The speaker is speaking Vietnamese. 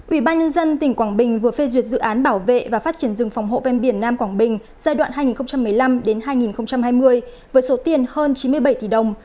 ủy ban nhân dân tỉnh quảng bình vừa phê duyệt dự án bảo vệ và phát triển rừng phòng hộ ven biển nam quảng bình giai đoạn hai nghìn một mươi năm hai nghìn hai mươi với số tiền hơn chín mươi bảy tỷ đồng